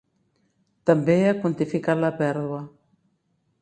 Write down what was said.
També ha quantificat la pèrdua.